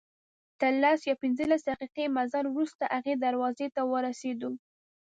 تر لس یا پنځلس دقیقې مزل وروسته هغې دروازې ته ورسېدو.